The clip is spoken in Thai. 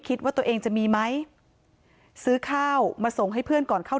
คิดว่าตัวเองจะมีไหมซื้อข้าวมาส่งให้เพื่อนก่อนเข้า